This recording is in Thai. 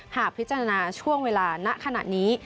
หากพิจารณาช่วงเวลาณขณะนี้